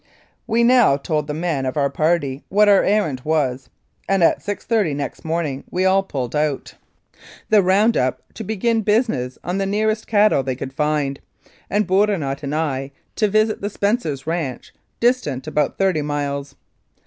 We now told the men of our party what our errand was, and at 6.30 next morning we all pulled out, the 163 Mounted Police Life in Canada round up to begin business on the nearest cattle they could find, and Bourinot and I to visit the Spencers' ranch, distant about thirty miles.